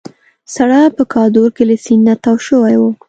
سړک په کادور کې له سیند نه تاو شوی وو.